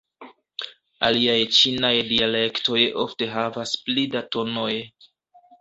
Aliaj ĉinaj dialektoj ofte havas pli da tonoj.